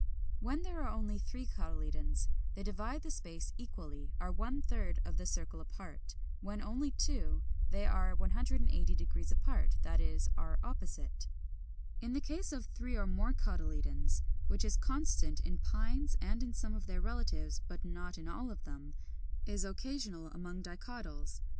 When there are only three cotyledons, they divide the space equally, are one third of the circle apart. When only two they are 180° apart, that is, are opposite. 39. The case of three or more cotyledons, which is constant in Pines and in some of their relatives (but not in all of them), is occasional among Dicotyls.